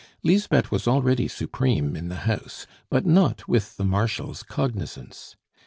Lisbeth was already supreme in the house, but not with the Marshal's cognizance.